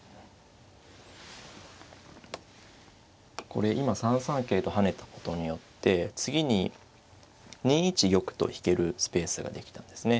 これ今３三桂と跳ねたことによって次に２一玉と引けるスペースができたんですね。